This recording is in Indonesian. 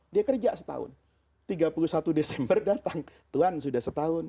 dia kerja setahun tiga puluh satu desember datang tuhan sudah setahun